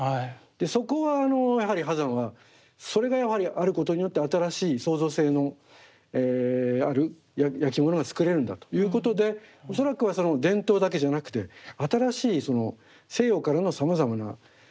そこはやはり波山はそれがやはりあることによって新しい創造性のあるやきものが作れるんだということで恐らくはその伝統だけじゃなくて新しい西洋からのさまざまな技術デザイン。